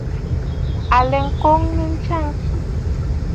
Aləə kaʼanə ntsya ŋkì.